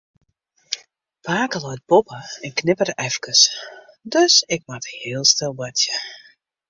Pake leit boppe en knipperet efkes, dus ik moat heel stil boartsje.